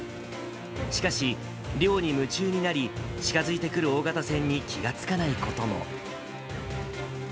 しかし、漁に夢中になり、近づいてくる大型船に気が付かないことも。